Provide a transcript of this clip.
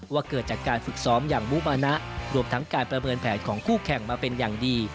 ว่าเกิดจากการฝึกซ้อมอย่างมุมานะรวมทั้งการประเมินแผนของคู่แข่งมาเป็นอย่างดี